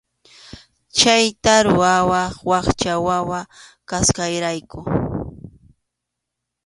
Chayta rurawaq wakcha wawa kasqayrayku.